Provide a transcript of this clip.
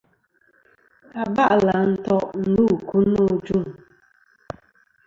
Aba'lɨ à nto' ndu ku no.